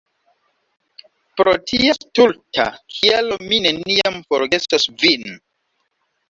Pro tia stulta kialo mi neniam forgesos vin!